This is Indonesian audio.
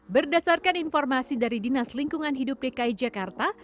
berdasarkan informasi dari dinas lingkungan hidup dki jakarta